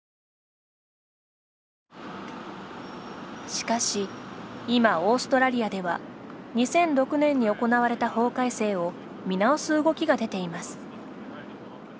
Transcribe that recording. しかし今、オーストラリアでは２００６年に行われた法改正を見直す動きが出ています。